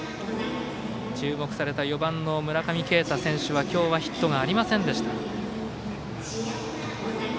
注目された４番の村上慶太選手は今日はヒットがありませんでした。